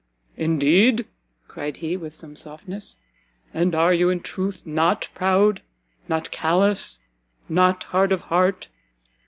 "Indeed?" cried he, with some softness, "and are you, in truth, not proud? not callous? not hard of heart?